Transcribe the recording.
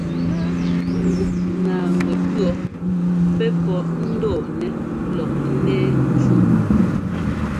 Ŋgup naaŋgwɛ pʉɔ́ pɛ́ pɔ́ ńdɔɔ nɛ lɔk ńnɛ́ɛ cúꞌ.